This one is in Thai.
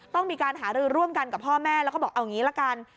ต้องมีการหารือร่วมกันกับพ่อแม่แล้วก็บอกเอาอย่างนี้ละกัน